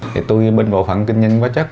thì tôi bên bộ phận kinh doanh vỏ chất